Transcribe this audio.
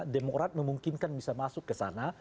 demokrat memungkinkan bisa masuk ke sana